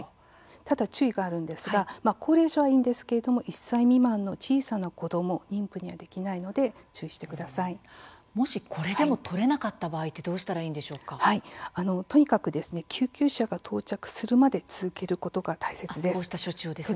ただ、注意があるんですが高齢者はいいんですが１歳未満の小さな子ども妊婦にはできないのでこれでも取れなかった場合とにかく救急車が到着するまで続けることが大切です。